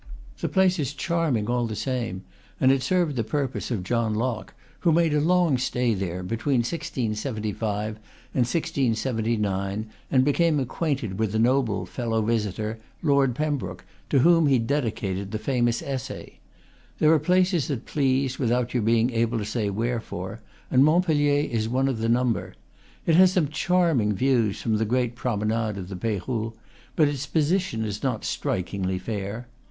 The place is charming, all the same; and it served the purpose of John Locke; who made a long stay there, between 1675 and 1679, and became acquainted with a noble fellow visitor, Lord Pembroke, to whom he dedicated the famous Essay. There are places that please, without your being able to say wherefore, and Montpellier is one of the num ber. It has some charming views, from the great pro menade of the Peyrou; but its position is not strikingly fair.